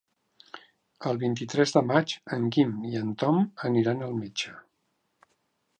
El vint-i-tres de maig en Guim i en Tom aniran al metge.